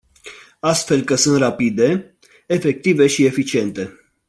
Astfel că sunt rapide, efective și eficiente.